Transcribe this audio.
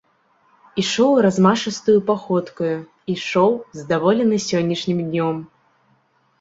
Ішоў размашыстаю паходкаю, ішоў, здаволены сённяшнім днём.